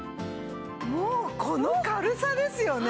もうこの軽さですよね。